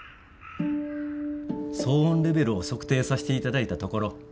騒音レベルを測定さしていただいたところ基準の。